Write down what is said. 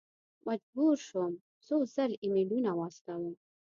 مجبور شوم څو ځل ایمیلونه واستوم.